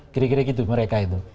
kira kira gitu mereka itu